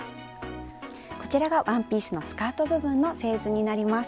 こちらがワンピースのスカート部分の製図になります。